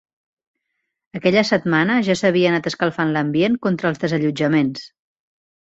Aquella setmana ja s'havia anat escalfant l'ambient contra els desallotjaments.